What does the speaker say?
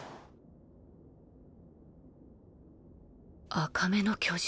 赤目の巨獣？